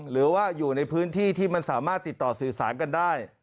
หรือว่าอยู่ในพื้นที่ที่มันสามารถติดต่อสื่อสารกันได้